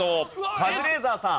カズレーザーさん。